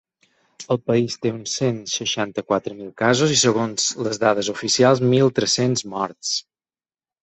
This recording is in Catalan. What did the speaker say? El país té uns cent seixanta-quatre mil casos, i segons les dades oficials, mil tres-cents morts.